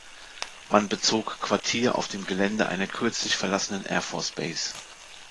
Man bezog Quartier auf dem Gelände einer kürzlich verlassenen Air Force Base.